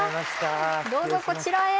どうぞこちらへ。